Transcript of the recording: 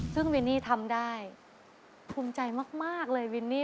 ซึ่งวินนี่ทำได้ภูมิใจมากเลยวินนี่